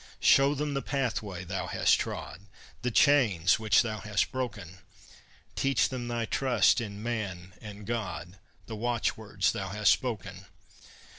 Show them the pathway thou hast trod, The chains which thou hast broken; Teach them thy trust in man and God, The watchwords thou hast spoken.